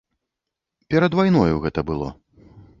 Перад вайною гэта было.